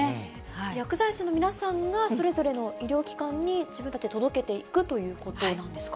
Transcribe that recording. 薬剤師の皆さんが、それぞれの医療機関に自分たちで届けていくということなんですか？